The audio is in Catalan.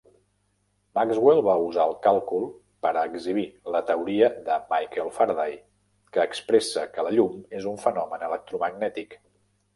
Maxwell va usar el càlcul per a exhibir la teoria de Michael Faraday, que expressa que la llum és un fenomen electromagnètic.